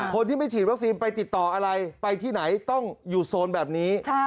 คนที่ไม่ฉีดวัคซีนไปติดต่ออะไรไปที่ไหนต้องอยู่โซนแบบนี้